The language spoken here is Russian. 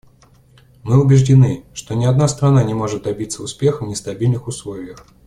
Мы убеждены, что ни одна страна не может добиться успеха в нестабильных условиях.